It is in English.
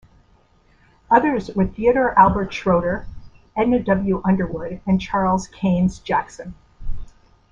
Others were Theodore Albert Schroeder, Edna W. Underwood, and Charles Kains-Jackson.